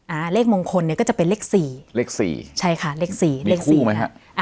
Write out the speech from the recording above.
อ่าเลขมงคลเนี่ยก็จะเป็นเลขสี่เลขสี่ใช่ค่ะเลขสี่เลขคู่ไหมฮะอ่า